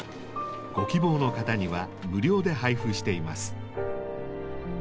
ご希望の方には無料で配布しています。